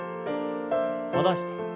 戻して。